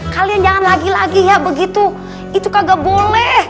kalian jangan lagi lagi ya begitu itu kagak boleh